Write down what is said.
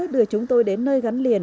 đưa chúng tôi đến nơi gắn liền